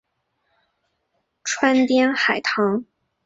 川滇海棠